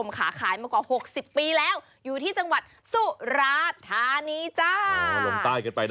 รับชมขาขายมากว่า๖๐ปีแล้วอยู่ที่จังหวัดสุรธานีจ้า